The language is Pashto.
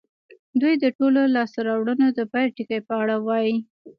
دوی د ټولو لاسته راوړنو د پيل ټکي په اړه وايي.